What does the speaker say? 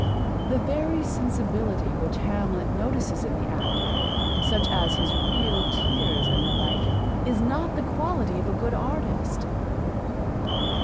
The very sensibility which Hamlet notices in the actor, such as his real tears and the like, is not the quality of a good artist.